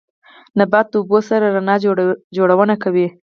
نبات د اوبو سره رڼا جوړونه کوي